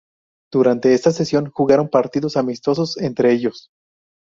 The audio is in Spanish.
Durante esta sesión jugaron partidos amistosos entre ellos.